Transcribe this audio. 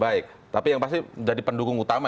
baik tapi yang pasti jadi pendukung utama